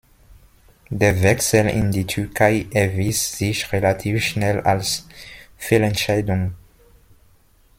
Der Wechsel in die Türkei erwies sich relativ schnell als Fehlentscheidung.